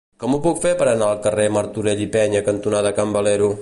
Com ho puc fer per anar al carrer Martorell i Peña cantonada Can Valero?